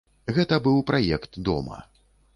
Гэта быў праект дома.